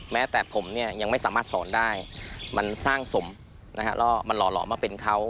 แม้แต่ผมเนี่ยยังไม่สามารถสอนได้มันสร้างสมมันหล่อมาเป็นเขา